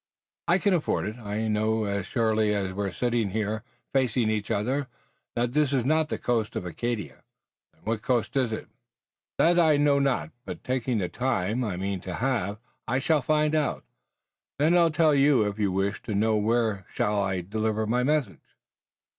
"I can afford it. I know as surely as we're sitting here facing each other that this is not the coast of Acadia." "Then what coast is it?" "That I know not, but taking the time, I mean to have, I shall find out. Then I'll tell you if you wish to know. Where shall I deliver my message?"